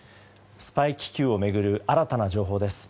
スパイ気球を巡る新たな情報です。